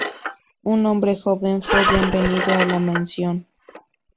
Un hombre joven fue bienvenido a la mansión.